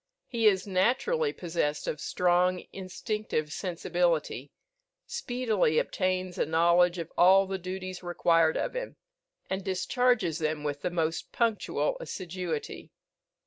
He is naturally possessed of strong instinctive sensibility, speedily obtains a knowledge of all the duties required of him, and discharges them with the most punctual assiduity.